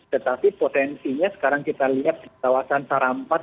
tetapi potensinya sekarang kita lihat di kawasan sarampas